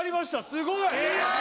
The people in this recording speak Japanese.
すごい！